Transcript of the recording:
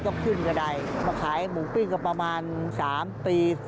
ก็ขึ้นกระดายมาขายหมูปิ้งก็ประมาณ๓ปี